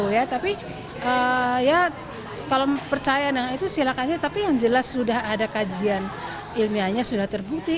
saya nggak tahu itu silakan saja tapi yang jelas sudah ada kajian ilmiahnya sudah terbukti